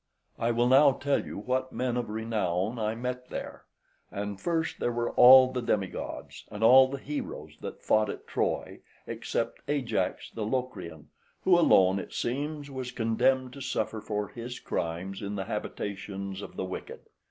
I will now tell you what men of renown I met with there. And first there were all the demigods, and all the heroes that fought at Troy except Ajax the Locrian, {122b} who alone, it seems, was condemned to suffer for his crimes in the habitations of the wicked.